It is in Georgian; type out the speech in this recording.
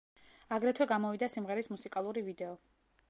აგრეთვე გამოვიდა სიმღერის მუსიკალური ვიდეო.